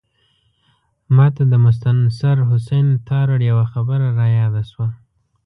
ماته د مستنصر حسین تارړ یوه خبره رایاده شوه.